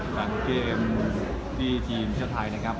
หลังเกมที่ทีมชาติไทยนะครับ